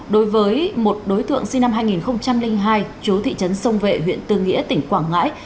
đối với một đối tượng sinh năm hai nghìn hai chú thị trấn sông vệ huyện tư nghĩa tỉnh quảng ngãi